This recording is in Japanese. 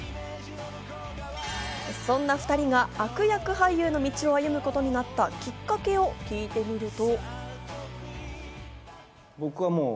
そんな２人が悪役俳優の道を歩むことになったきっかけを聞いてみると。